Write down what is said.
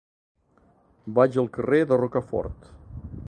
Vaig al carrer de Rocafort.